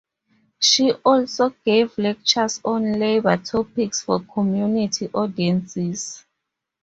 She also gave lectures on labor topics for community audiences.